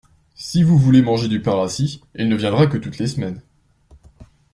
Si vous voulez manger du pain rassis, il ne viendra que toutes les semaines.